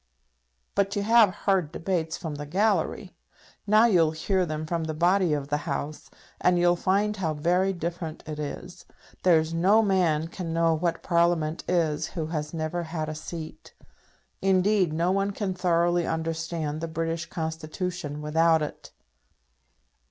"But you have heard debates from the gallery. Now you'll hear them from the body of the House, and you'll find how very different it is. There's no man can know what Parliament is who has never had a seat. Indeed no one can thoroughly understand the British Constitution without it.